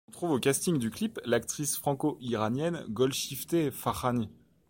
On trouve au casting du clip l'actrice franco-iranienne Golshifteh Farahani.